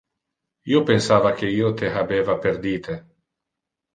Io pensava que io te habeva perdite.